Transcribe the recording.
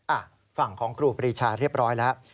อ่ะฝั่งของครูปรีชาเรียบร้อยแล้ว